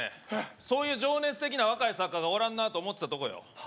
そういう情熱的な若い作家がおらんなと思ってたとこよ。